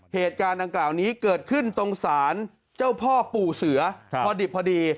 เหตุการณ์ดังกล่าวนี้เกิดขึ้นตรงศาลเจ้าพ่อปู่เสือพอดิบพอดี